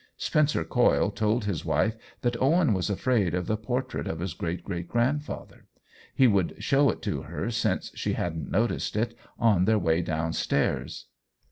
Spencer Coyle told his wife that Owen was afraid of the portrait of his great great grandfather. He would show it to her, since she hadn't noticed it, on their way down stairs.